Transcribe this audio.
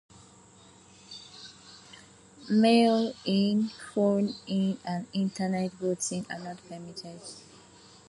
Mail-in, phone-in and Internet voting are not permitted.